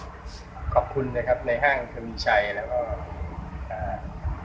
คนที่เหมือนแดงอยู่ด้านในไม่ต้องห่วงคนที่ให้เขาหลับให้สบาย